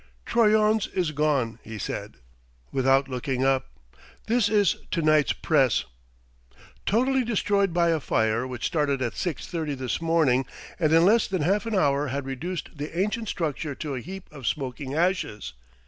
"Troyon's is gone," he said, without looking up. "This is to night's Presse.... '_Totally destroyed by a fire which started at six thirty this morning and in less than half an hour had reduced the ancient structure to a heap of smoking ashes_'!